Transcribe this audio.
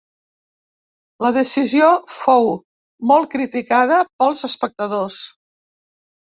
La decisió fou molt criticada pels espectadors.